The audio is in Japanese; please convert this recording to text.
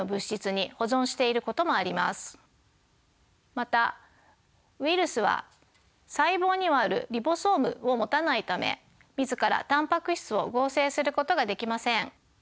またウイルスは細胞にはあるリボソームを持たないため自らタンパク質を合成することができません。